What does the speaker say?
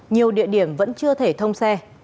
nhiều địa điểm vẫn chưa thể thông xe